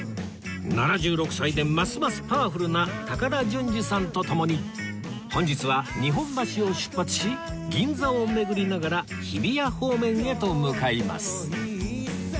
７６歳でますますパワフルな高田純次さんとともに本日は日本橋を出発し銀座を巡りながら日比谷方面へと向かいます